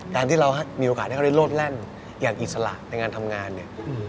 การที่เรามีโอกาสให้เขาได้โลดแล่นอย่างอิสระในงานทำงานเนี่ย